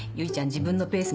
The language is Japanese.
自分のペース